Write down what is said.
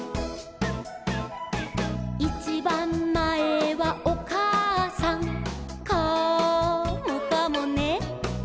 「いちばんまえはおかあさん」「カモかもね」